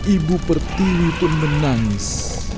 ibu pertiwi pun menangis